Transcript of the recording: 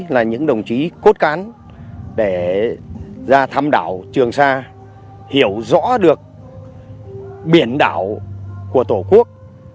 là những đồng chí cốt cán để ra thăm đảo trường sa hiểu rõ được biển đảo của tổ quốc